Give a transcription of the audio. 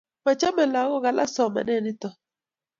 Machame lagok alak somanet nitok